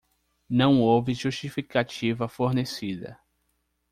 Não houve justificativa fornecida.